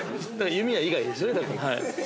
◆弓矢以外ですよね。